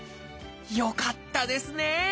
よかったですね！